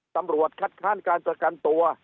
ตำรวจคัดค้านการประกันตัว